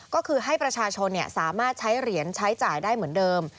ก็คือให้ประชาชนสามารถใช้เหรียญใช้จ่ายได้เหมือนเดิม